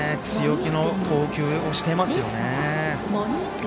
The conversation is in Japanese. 強気の投球をしてますよね。